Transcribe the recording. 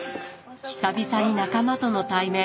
久々に仲間との対面。